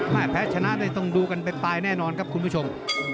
แพ้ชนะได้ต้องดูกันไปปลายแน่นอนครับคุณผู้ชม